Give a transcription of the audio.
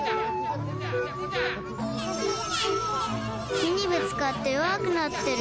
木にぶつかってよわくなってる。